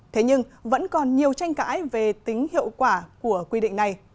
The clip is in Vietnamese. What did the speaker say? thế nhưng vẫn còn nhiều tranh cãi về tính hiệu quả của quy định này